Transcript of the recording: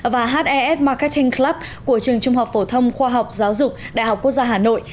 và hes macating club của trường trung học phổ thông khoa học giáo dục đại học quốc gia hà nội